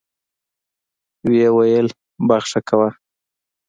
ويې ويل بخښه کوه.